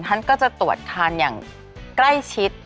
โรงพยาบาลพญาไทย๑๐